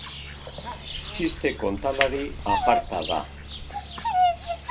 Txiste kontalari aparta da.